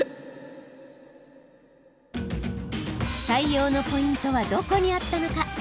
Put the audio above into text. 採用のポイントはどこにあったのか？